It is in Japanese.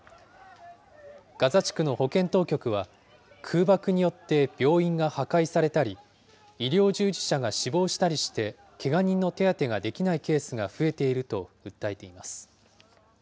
ガザ地区の保健当局は、空爆によって病院が破壊されたり、医療従事者が死亡したりして、けが人の手当てができないケースが増えていると訴えています。